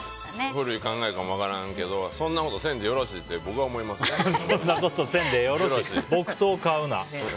古い考えかも分からんけどそんなことせんでよろしいって木刀買うな。